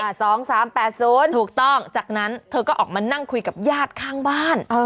อ่า๒๓๘๐บาทถูกต้องจากนั้นเธอก็ออกมานั่งคุยกับยาดข้างบ้าน